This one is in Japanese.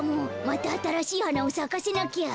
またあたらしいはなをさかせなきゃ。